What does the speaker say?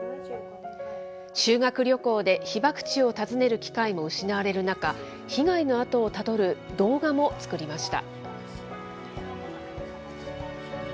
修学旅行で被爆地を訪ねる機会も失われる中、被害の跡をたどる動画も作りました。